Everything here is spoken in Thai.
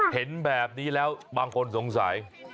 เห็นแบบนี้แล้วบางคนสงสัย